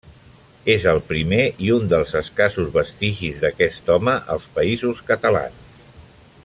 És el primer i un dels escassos vestigis d’aquest home als Països Catalans.